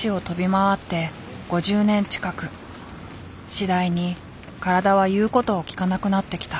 次第に体は言うことを聞かなくなってきた。